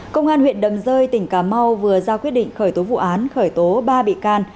công an huyện đầm rơi tỉnh cà mau vừa ra quyết định khởi tố vụ án khởi tố ba bị can